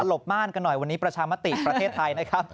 บม่านกันหน่อยวันนี้ประชามติประเทศไทยนะครับ